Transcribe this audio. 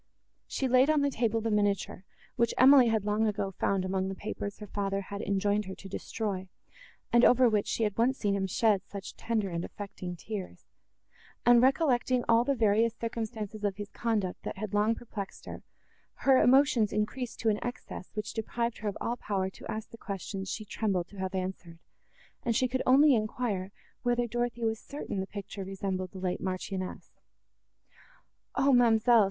She laid on the table the miniature, which Emily had long ago found among the papers her father had enjoined her to destroy, and over which she had once seen him shed such tender and affecting tears; and, recollecting all the various circumstances of his conduct, that had long perplexed her, her emotions increased to an excess, which deprived her of all power to ask the questions she trembled to have answered, and she could only enquire, whether Dorothée was certain the picture resembled the late marchioness. "O, ma'amselle!"